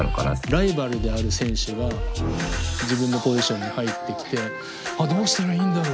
ライバルである選手が自分のポジションに入ってきて「ああどうしたらいいんだろう」って。